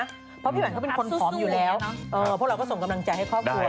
เพราะพี่แหวนเขาเป็นคนผอมอยู่แล้วพวกเราก็ส่งกำลังใจให้ครอบครัว